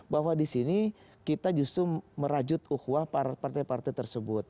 bahwa di sini kita justru merajut uhwah partai partai tersebut